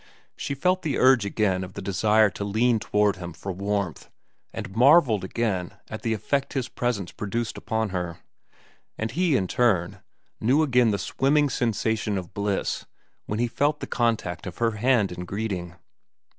She felt the urge again of the desire to lean toward him for warmth, and marvelled again at the effect his presence produced upon her. And he, in turn, knew again the swimming sensation of bliss when he felt the contact of her hand in greeting.